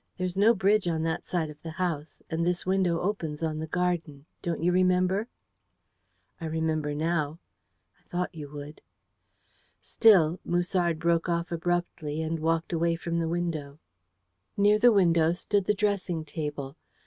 There is no bridge on that side of the house, and this window opens on the garden. Don't you remember?" "I remember now." "I thought you would." "Still " Musard broke off abruptly, and walked away from the window. Near the window stood the dressing table.